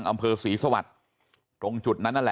ครับคุณสาวทราบไหมครับ